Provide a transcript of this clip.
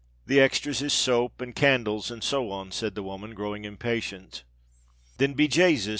"The extras is soap, and candles, and so on," said the woman, growing impatient. "Then, be Jasus!